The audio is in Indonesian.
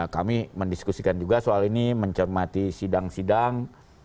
kami mendiskusikan juga soal ini mencermati sidang sidang